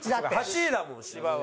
８位だもん芝は。